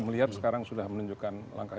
melihat sekarang sudah menunjukkan langkah